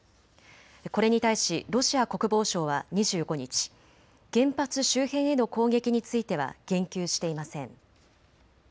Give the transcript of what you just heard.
これに対しロシア国防省は２５日、原発周辺への攻撃については言及していません。